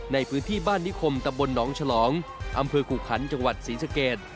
ในพื้นที่บ้านนิคมตำบลหนองฉลองอำเภอกุขันจังหวัดศรีสเกต